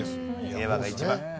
平和が一番。